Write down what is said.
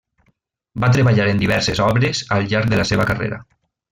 Va treballar en diverses obres al llarg de la seva carrera.